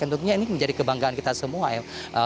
dan tentunya ini menjadi kebanggaan kita semua ya